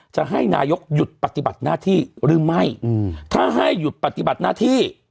จะให้นายกหยุดปฏิบัติหน้าที่หรือไม่ถ้าให้หยุดปฏิบัติหน้าที่